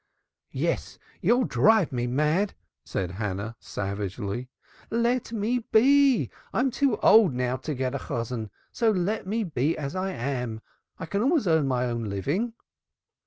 "Yes, you'll drive me mad," said Hannah savagely. "Let me be! I'm too old now to get a Chosan, so let me be as I am. I can always earn my own living."